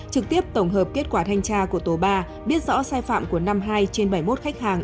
trực tiếp tổng hợp kết quả thanh tra của tổ ba biết rõ sai phạm của năm mươi hai trên bảy mươi một khách hàng